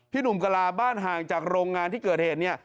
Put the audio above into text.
หนุ่มกะลาบ้านห่างจากโรงงานที่เกิดเหตุเนี่ย